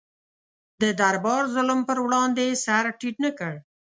د دربار ظلم پر وړاندې سر ټیټ نه کړ.